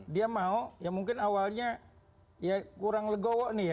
dia mau ya mungkin awalnya ya kurang legowo nih ya